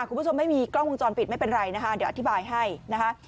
คุณผู้ชมไม่มีกล้องวงจรปิดไม่เป็นไรนะคะเดี๋ยวอธิบายให้นะคะ